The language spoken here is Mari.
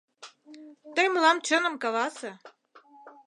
Тый мылам чыным каласе.